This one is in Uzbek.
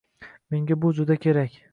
Menga bu juda kerak